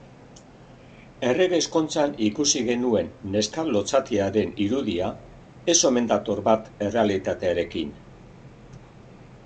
Errege-ezkontzan ikusi genuen neska lotsatiaren irudia ez omen dator bat errealitatearekin.